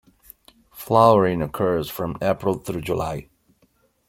Flowering occurs from April through July.